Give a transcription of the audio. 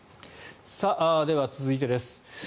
では、続いてです。